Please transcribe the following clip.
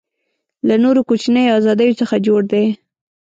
له نورو کوچنیو آزادیو څخه جوړ دی.